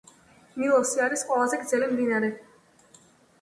ნილოსი არის ყველაზე გრძელი მდინარე